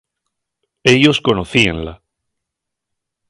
Ellos conocíenla.